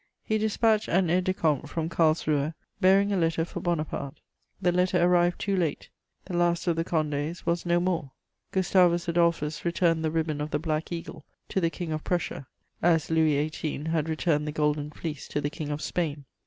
He dispatched an aide de camp from Carlsruhe bearing a letter for Bonaparte; the letter arrived too late: the last of the Condés was no more. Gustavus Adolphus returned the ribbon of the Black Eagle to the King of Prussia, as Louis XVIII. had returned the Golden Fleece to the King of Spain.